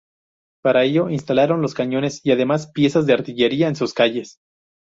Para ello, instalaron los cañones y demás piezas de artillería en sus calles.